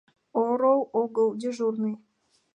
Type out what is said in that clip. — Орол огыл, дежурный.